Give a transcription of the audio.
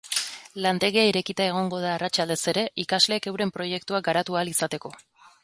Lantegia irekita egongo da arratsaldez ere ikasleek euren proiektuak garatu ahal izateko.